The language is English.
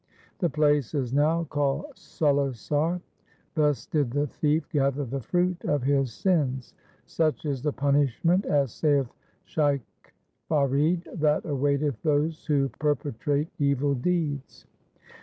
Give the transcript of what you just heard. The place is now called Sulisar. Thus did the thief gather the fruit of his sins. Such is the punishment, as saith Shaikh Farid, that awaiteth those who perpetrate evil deeds.